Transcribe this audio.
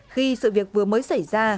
khi sự việc vừa mới xảy ra